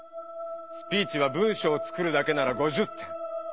スピーチは文しょうを作るだけなら５０点。